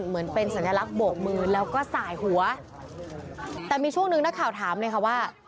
เหมือนเป็นสัญลักษณ์โบกมือแล้วก็สายหัวแต่มีช่วงหนึ่งนักข่าวถามเลยค่ะว่า